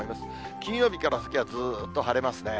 金曜日から先はずーっと晴れますね。